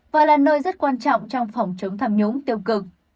và là nơi rất quan trọng trong phòng chống tham nhũng tiêu cực